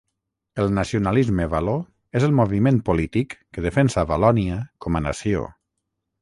El nacionalisme való és el moviment polític que defensa Valònia com a nació.